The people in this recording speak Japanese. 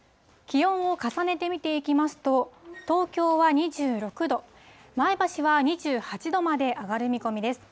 気温を重ねてみていきますと、東京は２６度、前橋は２８度まで上がる見込みです。